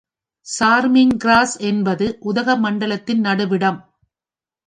Charming Cross என்பது உதகமண்டலத்தின் நடுவிடம்.